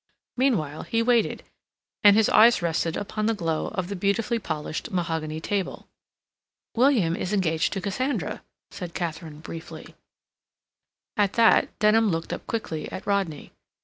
Meanwhile, he waited, and his eyes rested upon the glow of the beautifully polished mahogany table. "William is engaged to Cassandra," said Katharine briefly. At that Denham looked up quickly at Rodney.